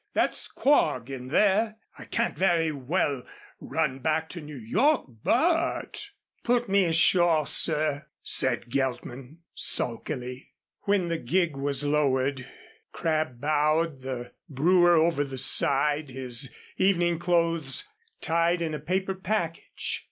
That's Quogue in there. I can't very well run back to New York, but " "Put me ashore, sir," said Geltman sulkily. When the gig was lowered, Crabb bowed the brewer over the side, his evening clothes tied in a paper package.